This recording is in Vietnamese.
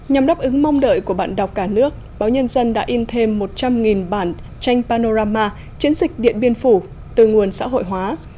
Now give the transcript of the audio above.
nhằm đáp ứng mong đợi của bạn đọc cả nước báo nhân dân đã in thêm một trăm linh bản tranh panorama chiến dịch điện biên phủ từ nguồn xã hội hóa